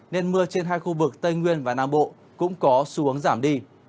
nên mưa trên hai khu vực tây nguyên và nam bộ cũng có xuống giảm đi